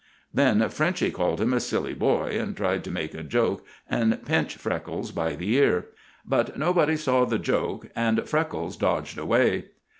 Then Frenchy called him a silly boy, and tried to make a joke and pinch Freckles by the ear. But nobody saw the joke, and Freckles dodged away.